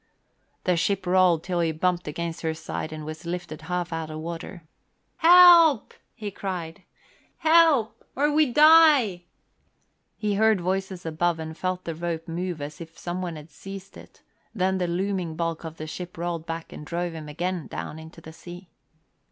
The ship rolled till he bumped against her side and was lifted half out of water. "Help!" he cried. "Help or we die!" He heard voices above and felt the rope move as if some one had seized it, then the looming bulk of the ship rolled back and drove him again down into the sea.